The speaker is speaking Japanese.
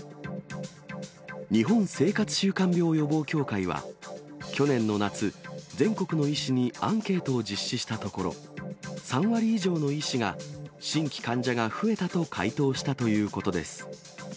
日本生活習慣病予防協会は、去年の夏、全国の医師にアンケートを実施したところ、３割以上の医師が、新規患者が増えたと回答したということです。